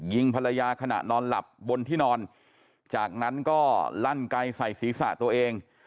ยิงภรรยาขณะนอนหลับบนที่นอนจากนั้นก็ลั่นไกลใส่ศีรษะตัวเอง